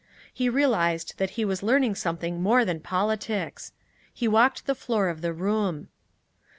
He realized that he was learning something more than politics. He walked the floor of the room.